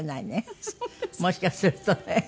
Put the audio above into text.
もしかするとね。